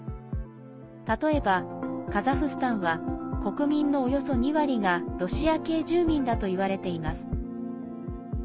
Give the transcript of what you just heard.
例えば、カザフスタンは国民のおよそ２割がロシア系住民だといわれています。